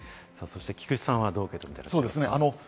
菊地さんはどう受け止めていらっしゃいますか？